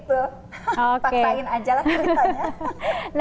paksain aja lah ceritanya